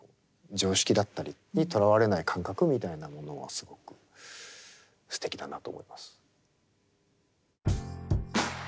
常識だったりにとらわれない感覚みたいなものはすごくすてきだなと思います。